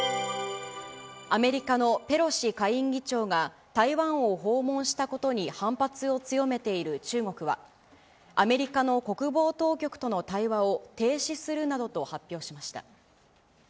アメリカのペロシ下院議長が、台湾を訪問したことに反発を強めている中国は、アメリカの国防当局との対話を停止するなどと発表しました。